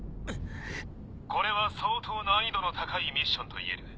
これは相当難易度の高いミッションと言える。